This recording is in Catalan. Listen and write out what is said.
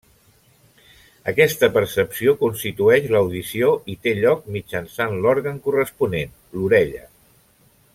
Aquesta percepció constitueix l'audició i té lloc mitjançant l'òrgan corresponent, l'orella.